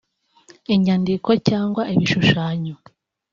inyandiko cyangwa ibishushanyo